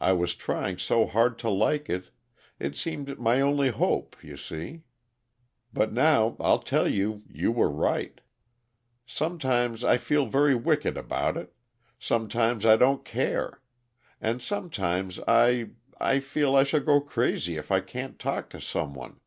I was trying so hard to like it it seemed my only hope, you see. But now I'll tell you you were right. "Sometimes I feel very wicked about it. Sometimes I don't care. And sometimes I I feel I shall go crazy if I can't talk to some one.